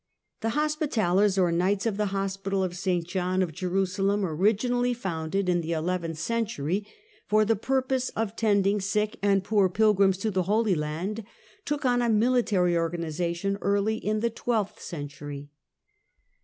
The Hospital Orders^ lers, or Knights of the Hospital of St John of Jerusalem, originally founded in the eleventh century for the purpose of tending sick and poor pilgrims to the Holy Land, took on a military organization early in the twelfth century.